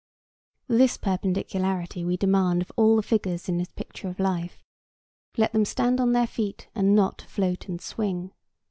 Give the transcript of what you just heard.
This perpendicularity we demand of all the figures in this picture of life. Let them stand on their feet, and not float and swing.